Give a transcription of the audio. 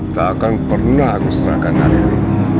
tak akan pernah aku serahkan hari ini